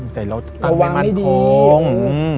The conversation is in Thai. แต่เราตั้งไม้มัดโถงขวางให้ดี